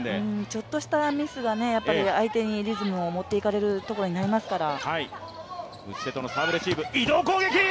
ちょっとしたミスが相手にリズムを持って行かれることになりますから。